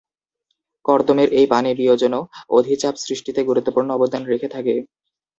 কর্দমের এই পানি বিয়োজনও অধিচাপ সৃষ্টিতে গুরুত্বপূর্ণ অবদান রেখে থাকে।